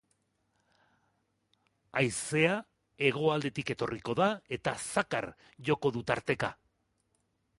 Haizea hegoaldetik etorriko da eta zakar joko du tarteka.